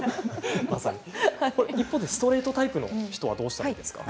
ストレートタイプはどうしたらいいですか？